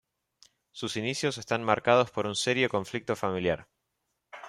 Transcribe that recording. Sus inicios están marcados por un serio conflicto familiar.